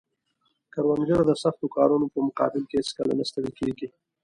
کروندګر د سخت کارونو په مقابل کې هیڅکله نه ستړی کیږي